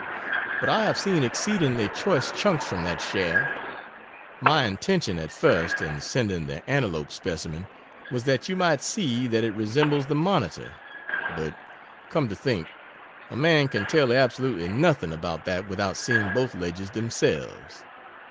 But I have seen exceedingly choice chunks from that shaft. My intention at first in sending the Antelope specimen was that you might see that it resembles the Monitor but, come to think, a man can tell absolutely nothing about that without seeing both ledges themselves.